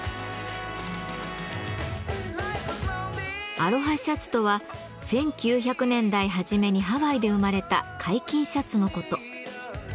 アロハシャツとは１９００年代はじめにハワイで生まれた開襟シャツのこと。